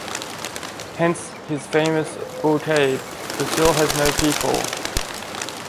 Hence, his famous boutade, "Brazil has no people".